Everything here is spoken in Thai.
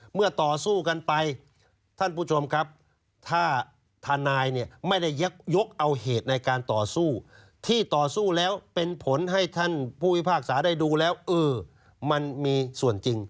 เมื่อต่อสู้กันไปท่านผู้ชมครับถ้าทนายเนี่ยไม่ได้ยกเอาเหตุในการต่อสู้ที่ต่อสู้แล้วเป็นผลให้ท่านผู้พิพากษาได้ดูแล้วเออมันมีส่วนจริง